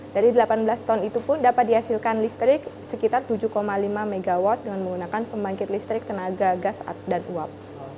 dari delapan belas ton itu pun dapat dihasilkan listrik sekitar tujuh lima mw dengan menggunakan pembangkit listrik tenaga gas dan uap